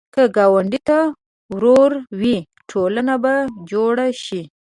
که ګاونډي ته ورور وې، ټولنه به جوړه شي